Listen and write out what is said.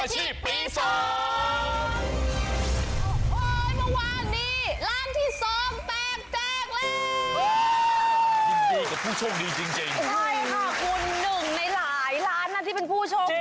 ใช่ค่ะคุณหนึ่งในหลายล้านนะที่เป็นผู้โชคดี